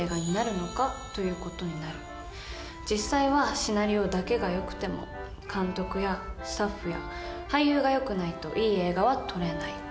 実際はシナリオだけがよくても監督やスタッフや俳優がよくないといい映画は撮れない。